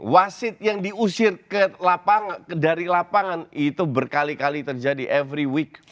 wasit yang diusir dari lapangan itu berkali kali terjadi every week